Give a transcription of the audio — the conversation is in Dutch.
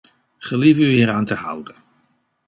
Gelieve u hieraan te houden.